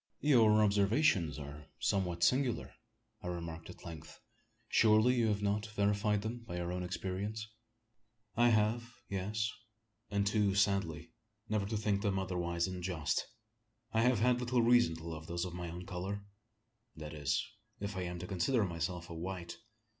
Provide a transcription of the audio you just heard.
"Your observations are somewhat singular?" I remarked at length. "Surely you have not verified them by your own experience?" "I have. Yes and too sadly, ever to think them otherwise than just. I have had little reason to love those of my own colour that is, if I am to consider myself a white."